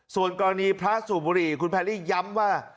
ส่วนกรณีพระสูบบุหรี่คุณแพรรี่ย้ำว่า